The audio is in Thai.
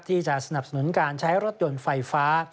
สนับสนุนการใช้รถยนต์ไฟฟ้า